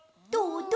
どう？